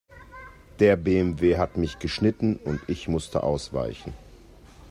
Der BMW hat mich geschnitten und ich musste ausweichen.